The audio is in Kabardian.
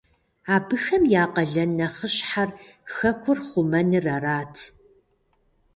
Абыхэм я къалэн нэхъыщхьэр хэкӀур хъумэныр арат.